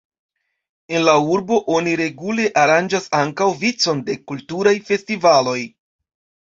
En la urbo oni regule aranĝas ankaŭ vicon de kulturaj festivaloj.